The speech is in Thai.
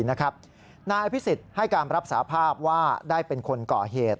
นายอภิษฎให้การรับสาภาพว่าได้เป็นคนก่อเหตุ